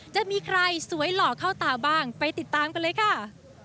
จะมีใครสวยหล่อเข้าตาบ้างไปติดตามกันเลยค่ะ